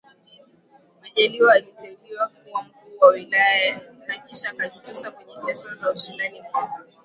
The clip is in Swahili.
Majaliwa aliteuliwa kuwa Mkuu wa Wilaya na kisha akajitosa kwenye siasa za ushindani mwaka